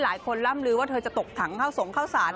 หลายคนล่ำลือว่าเธอจะตกถังเข้าสงค์เข้าศาล